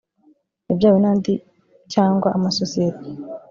yabyawe n andi cyangwa amasosiyeti